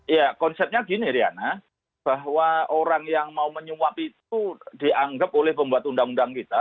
ya konsepnya gini riana bahwa orang yang mau menyuap itu dianggap oleh pembuat undang undang kita